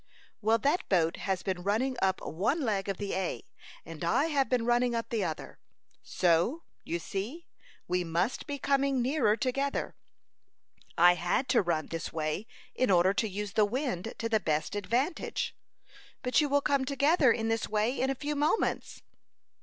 "Well, that boat has been running up one leg of the A, and I have been running up the other; so, you see, we must be coming nearer together. I had to run this way in order to use the wind to the best advantage." "But you will come together in this way in a few moments."